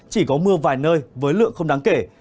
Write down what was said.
chỉ có mưa vài nơi với lượng không đáng kể